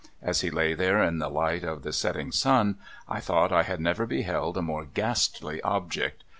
As he lay there in the light of the set ting sun, I thought I had never beheld a more ghastly object.